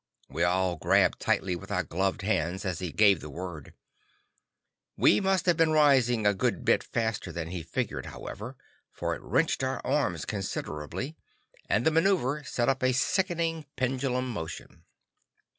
We all grabbed tightly with our gloved hands as he gave the word. We must have been rising a good bit faster than he figured, however, for it wrenched our arms considerably, and the maneuver set up a sickening pendulum motion.